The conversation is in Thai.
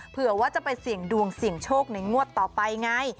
เผื่อว่าจะไปเสี่ยงดวงเสี่ยงโชคในงวดต่อไปไง